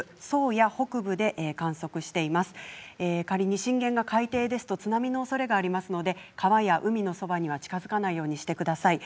仮に震源が海底ですと津波のおそれがありますので川や海のそばには近づかないようにしてください。